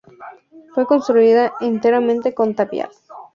Fue construida enteramente con tapial.